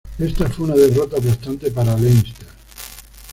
Esta fue una derrota aplastante para Leinster.